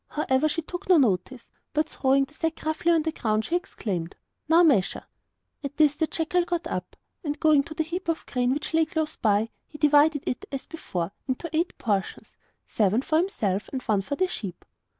However, she took no notice, but throwing the sack roughly on the ground, she exclaimed: 'Now measure!' At this the jackal got up, and going to the heap of grain which lay close by, he divided it as before into eight portions seven for himself and one for the sheep.